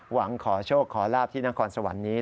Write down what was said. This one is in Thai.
หวังขอโชคขอลาบที่นครสวรรค์นี้